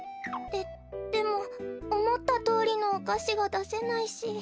ででもおもったとおりのおかしがだせないし。